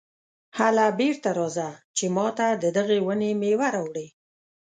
هله بېرته راځه چې ماته د دغې ونې مېوه راوړې.